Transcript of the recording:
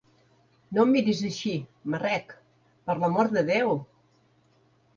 No em miris així, marrec, per l'amor de Déu!